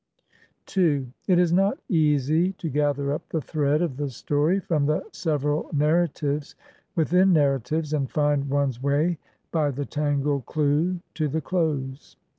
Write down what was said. It is not easy to gather up the thread of the story from the several narratives within narratives and find one's way by the tangled clew to the close.